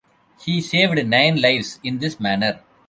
He saved nine lives in this manner.